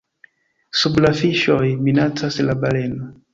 Sub la Fiŝoj, minacas la Baleno.